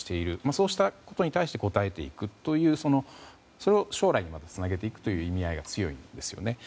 そうしたことに対して応えていくというそれを将来までつなげていくという意味合いが強いんですね。